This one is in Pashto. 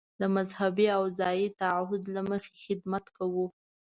د مذهبي او ځايي تعهد له مخې خدمت کوو.